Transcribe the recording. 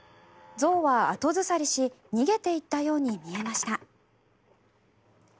象は後ずさりし逃げていったように見えました。